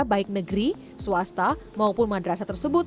baik negeri swasta maupun madrasah tersebut